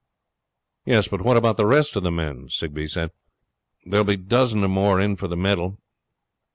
'Yes, but what about the rest of the men?' he said. 'There will be a dozen or more in for the medal.'